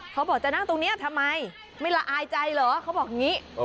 เขาบอกจะนั่งตรงนี้ทำไมไม่ละอายใจเหรอเขาบอกอย่างนี้